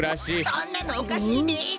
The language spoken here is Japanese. そんなのおかしいです！